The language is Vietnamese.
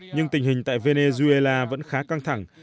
nhưng tình hình tại venezuela vẫn khá căng thẳng